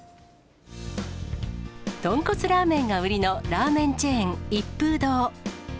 豚骨ラーメンが売りのラーメンチェーン、一風堂。